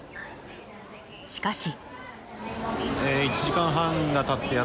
しかし。